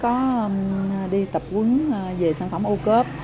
năm ngoái có đi tập quấn về sản phẩm âu cớp